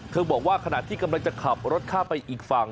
บอกว่าขณะที่กำลังจะขับรถข้ามไปอีกฝั่ง